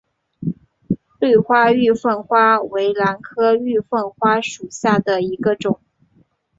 绿花玉凤花为兰科玉凤花属下的一个种。